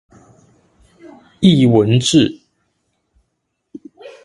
藝文志